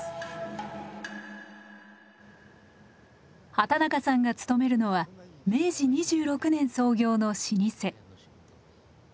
畠中さんが勤めるのは明治２６年創業の老舗。